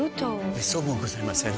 めっそうもございません。